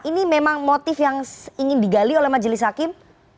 ini memang motif yang ingin digali oleh majelis hakim